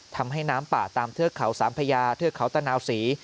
ทำให้น้ำป่าตามเทือกเขาสามพญาเทือกเขาตะนาวศรี